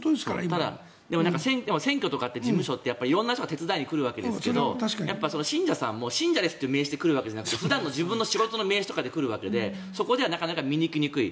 ただ選挙とかの事務所って色んな人が手伝いに来るわけですが信者さんも信者ですっていう名刺で来るわけじゃなくて普段の自分の名刺とかで来るわけでそこではなかなか見えにくい。